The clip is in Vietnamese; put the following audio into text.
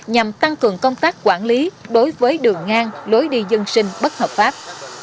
nhằm tăng cường công tác quản lý đối với đường ngang lối đi dân sinh bất hợp pháp